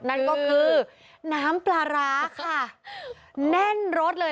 นั่นก็คือน้ำปลาร้าค่ะแน่นรสเลย